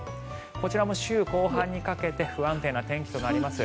こちらも週後半にかけて不安定な天気となります。